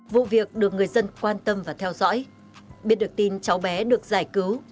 vụ việc được người dân quan tâm và theo dõi biết được tin cháu bé được giải cứu